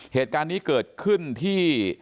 เหตุการณ์นี้เกิดขึ้นที่